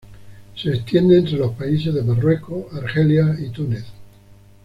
Se extiende entre los países de Marruecos, Argelia y Túnez.